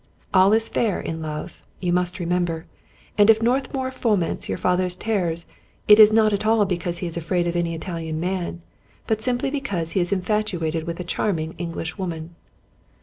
All is fair in love, you must remember; and if Northmour foments your father's ter rors, it is not at all because he is afraid of any Italian man, but simply because he is infatuated with a charming Eng lish woman."